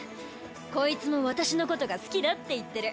こいつも私のことが好きだって言ってる。